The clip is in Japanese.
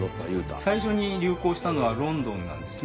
最初に流行したのはロンドンなんですね。